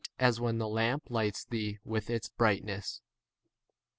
as when the lamp lights thee with its brightness.